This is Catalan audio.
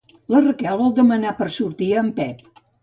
La Raquel vol demanar per sortir a en Pep.